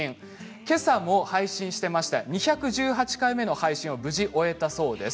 けさも配信していまして２１８回目の配信を無事に終えたそうです。